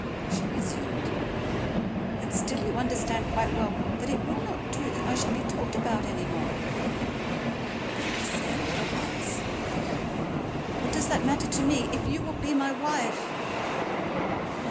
She resumed: "And still you understand quite well that it will not do that I should be talked about any more." Then he said all at once: "What does that matter to me, if you will be my wife!"